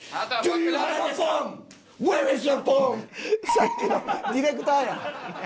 さっきのディレクターやん。